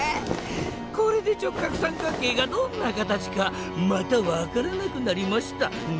これで直角三角形がどんな形かまたわからなくなりましたね？